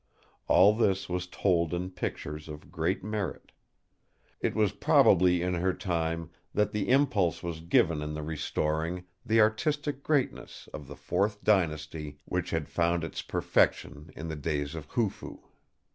All this was told in pictures of great merit. It was probably in her time that the impulse was given in the restoring the artistic greatness of the Fourth Dynasty which had found its perfection in the days of Chufu.